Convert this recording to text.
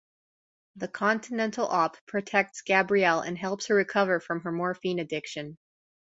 The Continental Op protects Gabrielle and helps her recover from her morphine addiction.